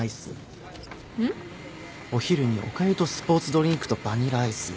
お昼におかゆとスポーツドリンクとバニラアイス。